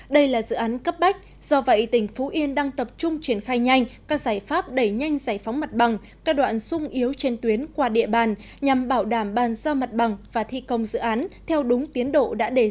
đây là dự án cấp bách do vậy tỉnh phú yên đang tập trung triển khai nhanh các giải pháp đẩy nhanh giải phóng mặt bằng các đoạn sung yếu trên tuyến qua địa bàn nhằm bảo đảm bàn giao mặt bằng và thi công dự án theo đúng tiến độ đã đề ra